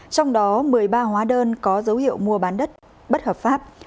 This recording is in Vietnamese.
trong đó một mươi ba hóa đơn có dấu hiệu mua bán đất bất hợp pháp